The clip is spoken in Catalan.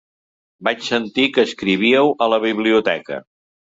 Vaig sentir que escrivíeu a la biblioteca.